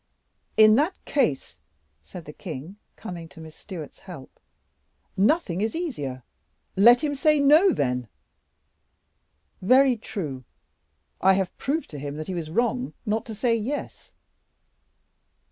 "In that case," said the king, coming to Miss Stewart's help, "nothing is easier; let him say 'No,' then." "Very true; and I have proved to him he was wrong not to say 'Yes.